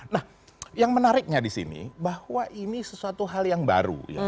nah yang menariknya di sini bahwa ini sesuatu hal yang baru